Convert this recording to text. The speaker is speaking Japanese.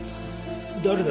誰だ？